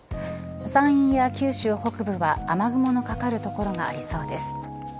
山陰や九州北部は雨雲のかかる所がありそうです。